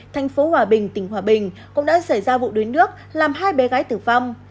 thành phố hòa bình tỉnh hòa bình cũng đã xảy ra vụ đuối nước làm hai bé gái tử vong